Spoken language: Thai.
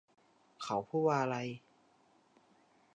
เขาพูดว่าอะไร ?